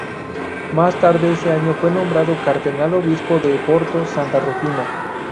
Más tarde ese año fue nombrado cardenal obispo de Porto-Santa Rufina.